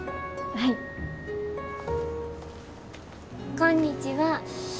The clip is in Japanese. こんにちは。シッ。